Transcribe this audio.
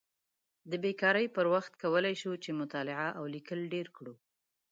د بیکارۍ پر وخت کولی شو چې مطالعه او لیکل ډېر کړو.